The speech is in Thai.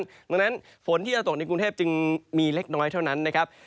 ดังนั้นฝนที่จะตกในกรุงเทพจึงมีเล็กน้อยเท่านั้นนะครับ